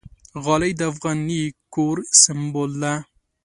غالۍ د افغاني کور سِمبول ده.